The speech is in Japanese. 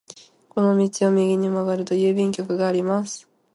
この道を右に曲がると郵便局があります。